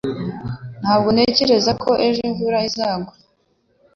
Ntabwo ntekereza ko ejo imvura izagwa